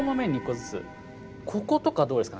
こことかどうですか？